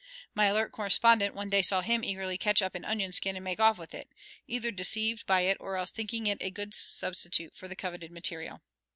My alert correspondent one day saw him eagerly catch up an onion skin and make off with it, either deceived by it or else thinking it a good substitute for the coveted material.